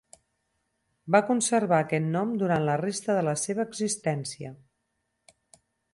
Va conservar aquest nom durant la resta de la seva existència.